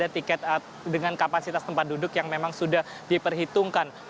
tiket dengan kapasitas tempat duduk yang memang sudah diperhitungkan